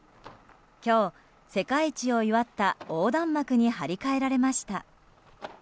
今日、世界一を祝った横断幕に張り替えられました。